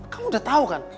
kamu udah tau kan